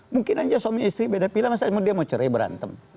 mungkin aja suami istri beda pilihan dia mau cerai berantem